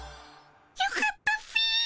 よかったっピ。